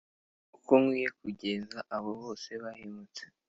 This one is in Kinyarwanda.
Uko nkwiye kugenza abo bose bahemutse.